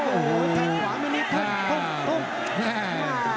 โอ้โหไข้ขวามันนี้พุ่มพุ่มพุ่ม